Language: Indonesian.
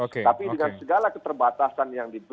tapi dengan segala keterbatasan yang diberikan